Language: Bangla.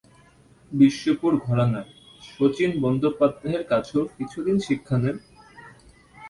বিষ্ণুপুর ঘরানার শচীন বন্দ্যোপাধ্যায়ের কাছেও কিছু দিন শিক্ষা নেন।